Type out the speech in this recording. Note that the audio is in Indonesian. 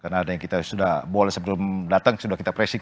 karena adanya kita sudah bola sebelum datang sudah kita pressing